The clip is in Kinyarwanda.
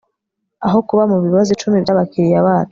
aho kuba mubibazo icumi byabakiriya bacu